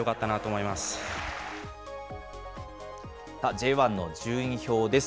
Ｊ１の順位表です。